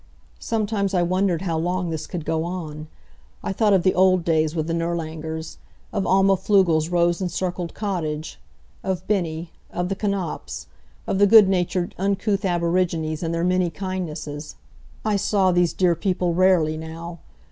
Sometimes I wondered how long this could go on. I thought of the old days with the Nirlangers; of Alma Pflugel's rose encircled cottage; of Bennie; of the Knapfs; of the good natured, uncouth aborigines, and their many kindnesses. I saw these dear people rarely now.